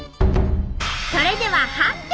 それでは判定！